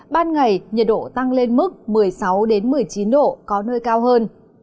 ban ngày nhiệt độ tăng lên mức một mươi sáu một mươi chín độ có nơi cao hơn